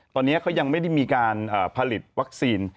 ตอนนี้เขายังไม่ได้มีการผลิตวัคซีน